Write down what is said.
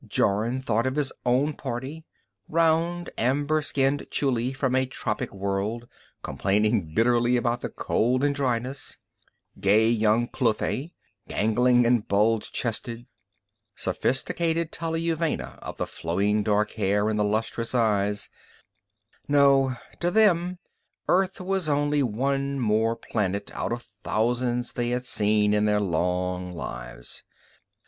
Jorun thought of his own party: round, amber skinned Chuli from a tropic world, complaining bitterly about the cold and dryness; gay young Cluthe, gangling and bulge chested; sophisticated Taliuvenna of the flowing dark hair and the lustrous eyes no, to them Earth was only one more planet, out of thousands they had seen in their long lives.